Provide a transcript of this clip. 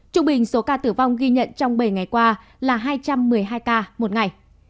trung bình số ca tử vong ghi nhận trong bảy ngày qua là hai trăm một mươi hai ca một ngày